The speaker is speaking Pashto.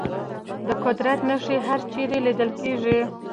د قدرت نښې هرچېرې لیدل کېږي.